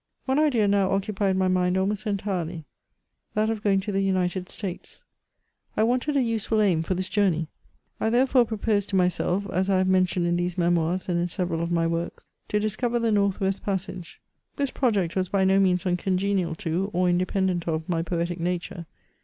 One idea now occupied my mind almost entirely — that of going to the United States ; I wanted a useful aim for this journey ; I therefore proposed to myself (as I have mentioned in these Memoirs, and in several of my works) to discover the North west passage. This project was by no means uncongenial to, or inde pendent of, my poetic nature.